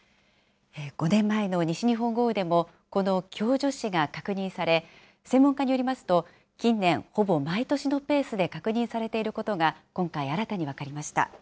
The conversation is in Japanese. ５年前の西日本豪雨でも、この共助死が確認され、専門家によりますと、近年、ほぼ毎年のペースで確認されていることが、今回、新たに分かりました。